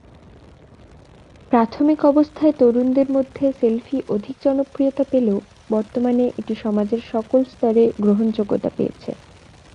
প্রাথমিক অবস্থায় তরুণদের মধ্যে সেলফি অধিক জনপ্রিয়তা পেলেও বর্তমানে এটি সমাজের সকল স্তরে গ্রহণযোগ্যতা পেয়েছে।